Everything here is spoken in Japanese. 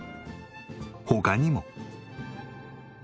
他にも。